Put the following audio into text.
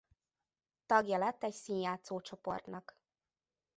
Tagja lett egy színjátszó csoportnak.